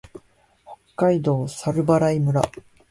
北海道猿払村